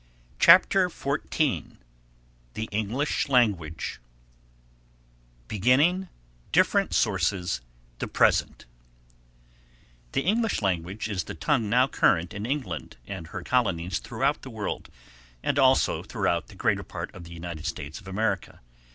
CHAPTER XIV ENGLISH LANGUAGE Beginning Different Sources The Present The English language is the tongue now current in England and her colonies throughout the world and also throughout the greater part of the United States of America.